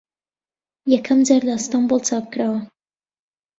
یەکەم جار لە ئەستەمبوڵ چاپ کراوە